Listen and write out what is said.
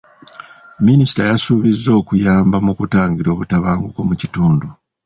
Minisita yasuubiza okuyamba mu kutangira obutabanguko mu kitundu.